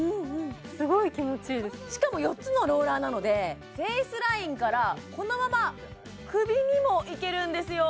すごいしかも４つのローラーなのでフェイスラインからこのまま首にもいけるんですよ